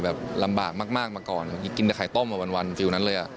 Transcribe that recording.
แบบลำบากมากมาก่อนกินไข่ต้มวันฟิวนั้นเลยอะ